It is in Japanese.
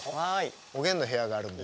おげんの部屋があるんで。